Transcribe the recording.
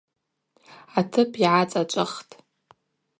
Атып йгӏацӏачӏвахтӏ.